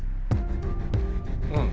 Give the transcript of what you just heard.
うん。